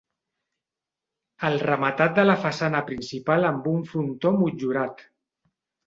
El rematat de la façana principal amb un frontó motllurat.